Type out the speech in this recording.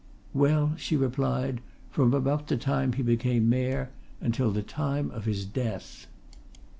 "Well," she replied, "from about the time he became Mayor until the time of his death."